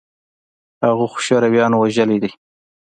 هغه خو شورويانو وژلى دى.